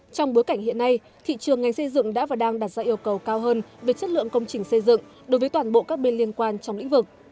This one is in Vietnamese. trong bối cảnh hiện nay thị trường ngành xây dựng đã và đang đặt ra yêu cầu cao hơn về chất lượng công trình xây dựng đối với toàn bộ các bên liên quan trong lĩnh vực